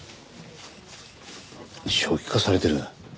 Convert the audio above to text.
初期化されてる。